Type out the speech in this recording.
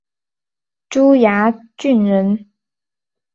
珠崖郡人。